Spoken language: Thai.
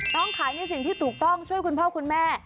ขายในสิ่งที่ถูกต้องช่วยคุณพ่อคุณแม่